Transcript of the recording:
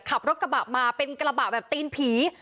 ขับรถกระบะมาเป็นกระบะแบบตีนผี